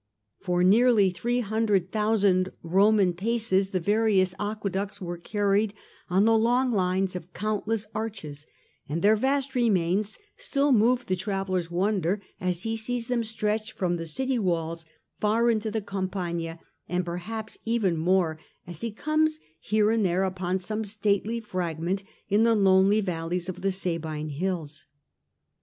For nearly 300,000 Roman paces the various aqueducts were carried on the long lines of countless arches, and their vast remains still move the traveller's wonder as he sees them stretch from the city walls far into the Campagna, or perhaps even more as he comes here and there upon some stately fragment in the lonely valleys of the Sabine hills.